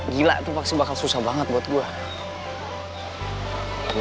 gila itu pasti bakal seru